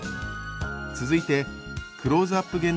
続いてクローズアップ